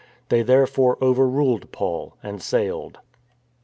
They therefore overruled Paul, and sailed.